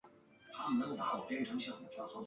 其终点站迁往现址埃默里维尔市。